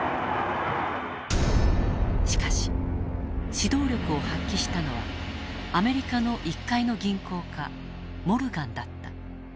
しかし指導力を発揮したのはアメリカの一介の銀行家モルガンだった。